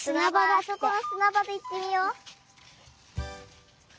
あそこのすなばでいってみよう！っていうか